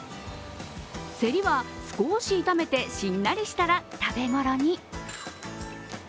セリは少し炒めてしんなりしたら食べ頃に。